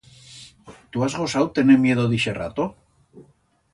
Tu has gosau tener miedo d'ixe rato?